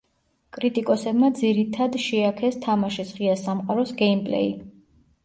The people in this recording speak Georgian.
კრიტიკოსებმა ძირითად შეაქეს თამაშის ღია სამყაროს გეიმპლეი.